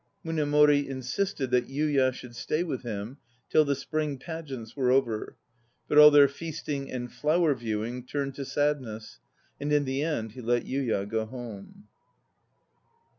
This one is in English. Munemori insisted that Yuya should stay with him till the Spring pageants were over; but all their feasting and flower viewing turned to sadness, and in the end he let Yuya go home.